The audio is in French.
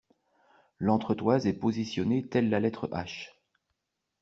L'entretoise est positionnée telle la lettre H.